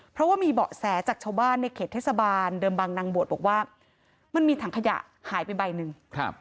เพราะว่ามีเบาะแสจากชาวบ้านในเขตเทศบาลเดิมบางนางบวชบอกว่ามันมีถังขยะหายไปใบหนึ่ง